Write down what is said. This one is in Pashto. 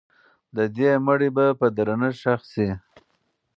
د دې مړي به په درنښت ښخ سي.